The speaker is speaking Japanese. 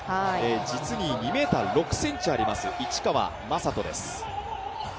実に２ｍ６ｃｍあります、市川真人です。